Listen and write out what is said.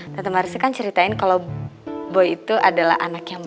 tante marissa kan ceritain kalau boy itu adalah anaknya mbak